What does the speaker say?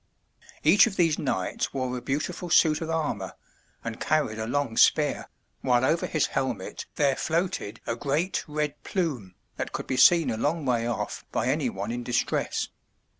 Each of these knights wore a beautiful suit of armor and carried a long spear, while over his helmet there floated a great red plume that could be seen a long way off by any one in dis tress.